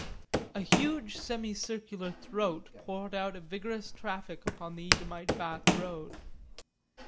A huge semi circular throat poured out a vigorous traffic upon the Eadhamite Bath Road.